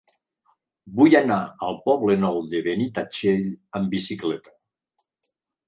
Vull anar al Poble Nou de Benitatxell amb bicicleta.